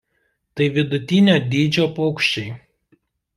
Tai vidutinio dydžio paukščiai.